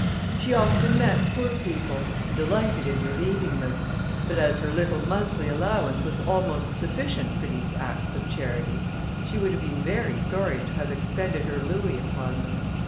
She often met poor people, and delighted in relieving them; but as her little monthly allowance was almost sufficient for these acts of charity, she would have been very sorry to have expended her louis upon them.